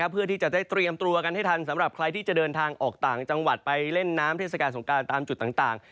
เพื่อที่จะได้เตรียมตัวกันให้ทันสำหรับใครที่จะเดินทางออกต่างจังหวัดไปเล่นน้ำเทศกาลสงการตามจุดต่าง